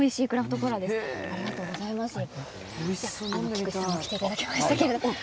菊地さんにも来ていただきました。